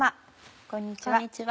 こんにちは。